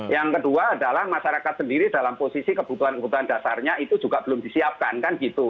yang kedua adalah masyarakat sendiri dalam posisi kebutuhan kebutuhan dasarnya itu juga belum disiapkan kan gitu